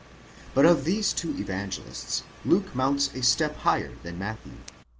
But of these two evangelists Luke mounts a step higher than Matthew.